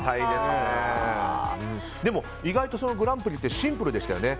でも、意外とグランプリってシンプルでしたよね。